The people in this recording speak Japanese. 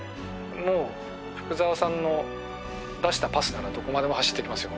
もう福澤さんの出したパスならどこまでも走っていきますよ